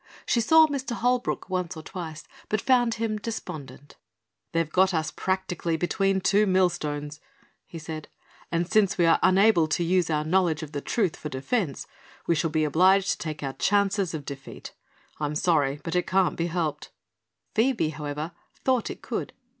She saw Mr. Holbrook once or twice but found him despondent. "They've got us practically between two millstones," he said, "and since we are unable to use our knowledge of the truth for defense, we shall be obliged to take our chances of defeat. I'm sorry, but it can't be helped." Phoebe, however, thought it could.